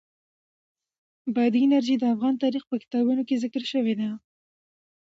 بادي انرژي د افغان تاریخ په کتابونو کې ذکر شوی دي.